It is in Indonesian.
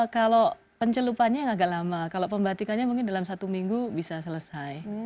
kalau pencelupannya agak lama kalau pembatikannya mungkin dalam satu minggu bisa selesai